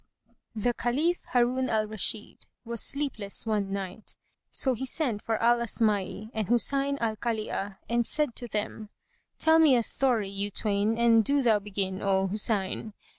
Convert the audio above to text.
The Caliph Harun al Rashid was sleepless one night; so he sent for Al Asma'i and Husayn al Khalí'a[FN#151] and said to them, "Tell me a story you twain and do thou begin, O Husayn."